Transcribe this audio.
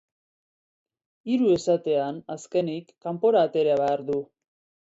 Hiru esatean, azkenik, kanpora atera behar du.